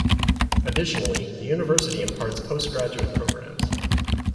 Additionally, the university imparts postgraduate programmes.